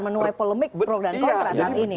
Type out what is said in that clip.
menuai polemik pro dan kontrasan ini